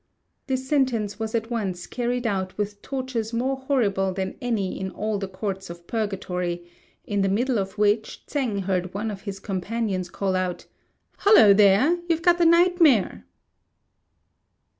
This sentence was at once carried out with tortures more horrible than any in all the Courts of Purgatory, in the middle of which Tsêng heard one of his companions call out, "Hullo, there! you've got the nightmare."